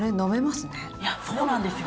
そうなんですよ